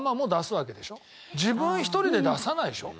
自分一人で出さないでしょ？